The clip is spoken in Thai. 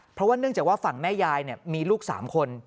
เพราะว่าเนื่องจากว่าฝั่งแม่ยายมีลูก๓คน